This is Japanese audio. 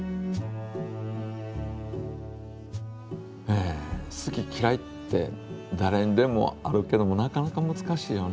え好ききらいってだれにでもあるけどもなかなかむずかしいよね